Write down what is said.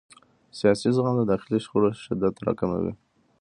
سیاسي زغم د داخلي شخړو شدت راکموي